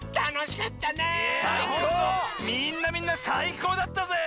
みんなみんなさいこうだったぜ！